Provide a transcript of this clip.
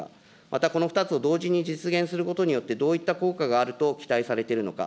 またこの２つを同時に実現することによって、どういった効果があると期待されているのか。